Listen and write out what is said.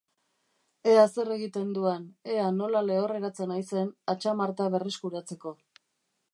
Ea zer egiten duan, ea nola lehorreratzen haizen atxamarta berreskuratzeko.